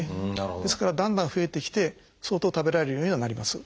ですからだんだん増えてきて相当食べられるようにはなります。